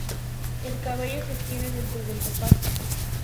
El cabello se extiende dentro del ropaje.